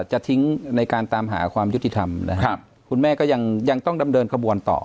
จะทิ้งในการตามหาความยุติธรรมนะครับคุณแม่ก็ยังต้องดำเนินขบวนต่อ